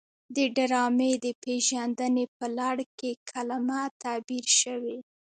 د ډرامې د پیژندنې په لړ کې کلمه تعبیر شوې.